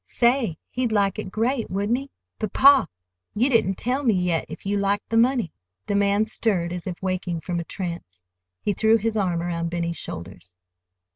"Say, he'd like it great, wouldn't he? But, pa, you didn't tell me yet if you liked the money." The man stirred, as if waking from a trance. He threw his arm around Benny's shoulders.